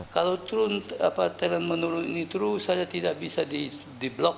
kalau trend menurun ini terus saya tidak bisa di blok